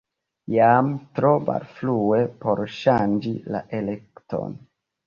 Jam tro malfrue por ŝanĝi la elekton.